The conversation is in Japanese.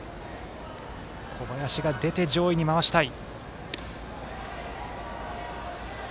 小林が出て上位に回したい。